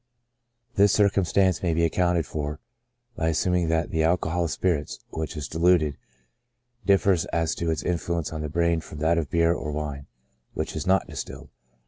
This circumstance may be accounted for, by assuming that the alcohol of spirits, which is distilled^ dif fers as to its influence on the brain from that of beer or wine, which is not distilled.